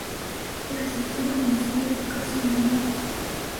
Por Resolución del Ministerio de Educación, N°.